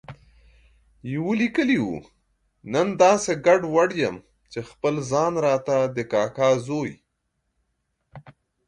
يوه ليکلي و، نن داسې ګډوډ یم چې خپل ځان راته د کاکا زوی